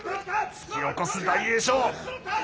突き起こす大栄翔。